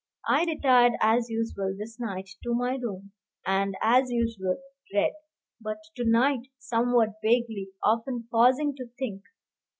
I retired as usual this night to my room, and, as usual, read, but to night somewhat vaguely, often pausing to think.